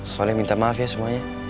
soalnya minta maaf ya semuanya